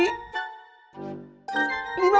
lima puluh tahunan ma